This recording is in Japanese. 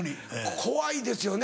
怖いですよね。